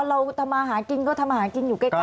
เราทำมาหากินก็ทำมาหากินอยู่ใกล้ตรงนั้น